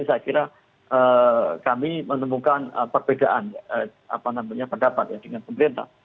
saya kira kami menemukan perbedaan pendapat dengan pemerintah